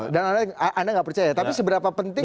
dan anda gak percaya tapi seberapa penting